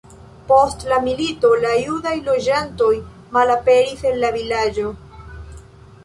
Post la milito la judaj loĝantoj malaperis el la vilaĝo.